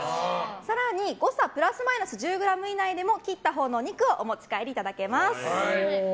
更に、誤差プラスマイナス１０ｇ以内でも切ったほうのお肉をお持ち帰りいただけます。